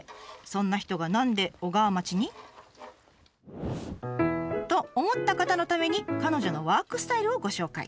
そんな人が何で小川町に？と思った方のために彼女のワークスタイルをご紹介。